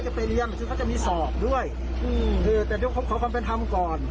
หมายถึงเขาจะมีสอบด้วยแต่ต้องพบเขาความเป็นธรรมก่อน